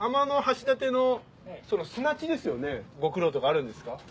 ご苦労とかあるんですか？